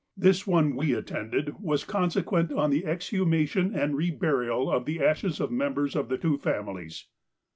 This one we attended was consequent on the exhumation and reburial of the ashes of members of the two families.